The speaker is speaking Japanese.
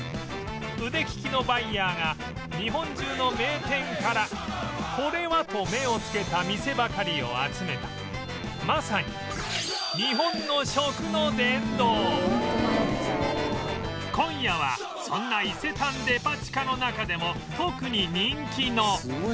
腕利きのバイヤーが日本中の名店からこれはと目をつけた店ばかりを集めたまさに日本の今夜はそんな伊勢丹デパ地下の中でも特に人気の